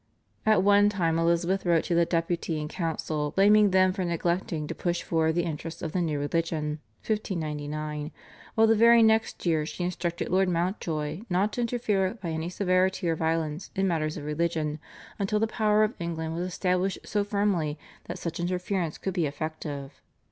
At one time Elizabeth wrote to the Deputy and council blaming them for neglecting to push forward the interests of the new religion (1599), while the very next year she instructed Lord Mountjoy not to interfere by any severity or violence in matters of religion, until the power of England was established so firmly that such interference could be effective.